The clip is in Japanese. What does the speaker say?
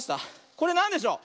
これなんでしょう？